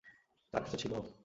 তার কাছে ছিল?